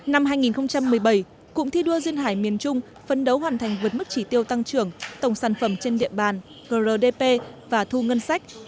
năm hai nghìn một mươi bảy cụm thi đua duyên hải miền trung phấn đấu hoàn thành vượt mức chỉ tiêu tăng trưởng tổng sản phẩm trên địa bàn grdp và thu ngân sách